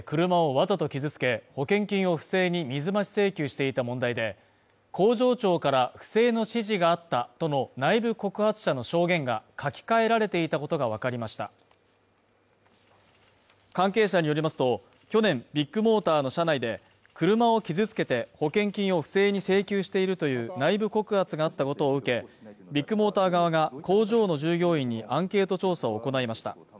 わざと傷つけ保険金を不正に水増し請求していた問題で工場長から不正の指示があったとの内部告発者の証言が書き換えられていたことが分かりました関係者によりますと去年ビッグモーターの社内で車を傷つけて保険金を不正に請求しているという内部告発があったことを受けビッグモーター側が工場の従業員にアンケート調査を行いました